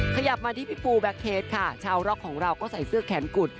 ขยับมาที่พี่ปูแบ็คเคสค่ะชาวร็อกของเราก็ใส่เสื้อแขนกุด